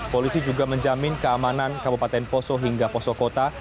polisi juga menjamin keamanan kabupaten poso hingga poso kota